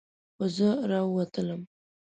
خو زه راووتلم.